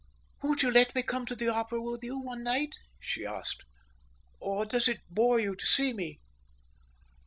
"Won't you let me come to the opera with you one night?" she asked. "Or does it bore you to see me?"